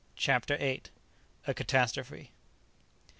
CHAPTER VIII. A CATASTROPHE.